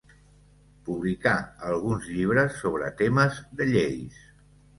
Publicà alguns llibres sobre temes de lleis.